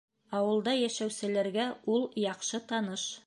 Ауылда йәшәүселәргә ул яҡшы таныш.